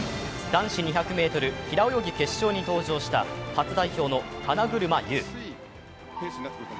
男子２００ｍ平泳ぎ決勝に登場した初代表の花車優。